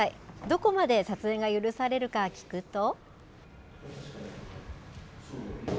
どこまで撮影が許されるか聞くと。